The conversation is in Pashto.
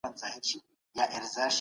د غونډي اجنډا څنګه ټاکل کیږي؟